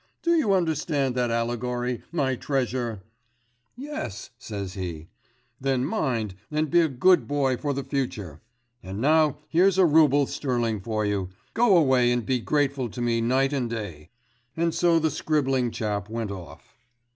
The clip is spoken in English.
Do you understand that allegory, my treasure?" "Yes," says he. "Then mind and be a good boy for the future, and now here's a rouble sterling for you; go away and be grateful to me night and day," and so the scribbling chap went off.